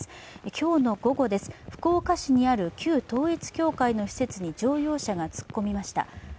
今日の午後、福岡市にある旧統一教会の施設に乗用車が突っ込みました。